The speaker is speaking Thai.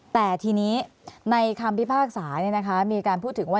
แต่ทีนี้ในคำพิพากษามีการพูดถึงว่า